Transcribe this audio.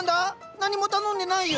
何も頼んでないよ。